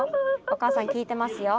おかあさん聞いてますよ。